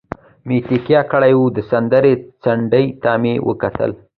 مې تکیه کړې وه، د سیند څنډې ته مې وکتل.